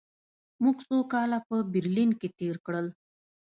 موږ څو کاله په برلین کې تېر کړل